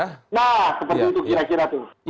nah seperti itu kira kira tuh